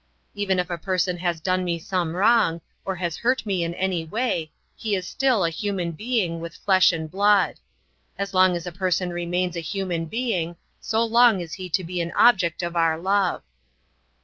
Even if a person has done me some wrong, or has hurt me in any way, he is still a human being with flesh and blood. As long as a person remains a human being, so long is he to be an object of our love.